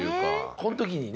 この時にね